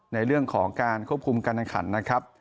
ในเรื่องของการควบคุมการแข่งขันนะครับ